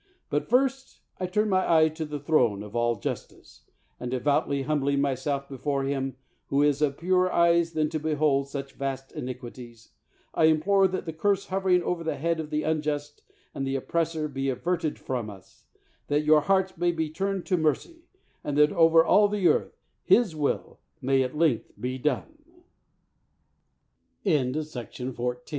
But, first, I turn my eye to the Throne of all justice, and, devoutly humbling myself before Him who is of purer eyes than to behold such vast iniquities, I implore that the curse hovering over the head of the unjust and the oppressor be averted from us, that your hearts may be turned to mercy, and that over all the earth His will may at l